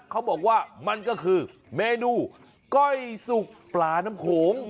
เขาบอกว่ามันก็คือเมนูก้อยสุกปลาน้ำโขง